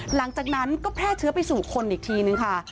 หลังจากนั้นก็แพร่เชื้อไปสู่คนอีกทีนึงค่ะ